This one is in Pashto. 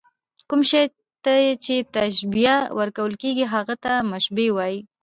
کوم شي ته چي تشبیه ورکول کېږي؛ هغه ته مشبه وايي.